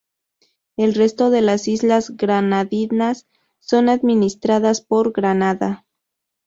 El resto de las islas Granadinas son administradas por Granada.